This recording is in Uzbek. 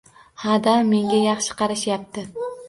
Ha dada menga yaxshi qarashyapti